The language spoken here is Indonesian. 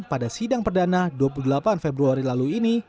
pada sidang perdana dua puluh delapan februari lalu ini